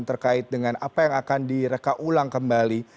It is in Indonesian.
terkait dengan apa yang akan direkaulang kembali